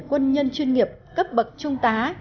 quân nhân chuyên nghiệp cấp bậc trung tá